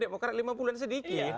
demokrat lima puluh an sedikit